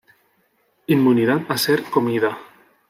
Inmunidad a ser comida.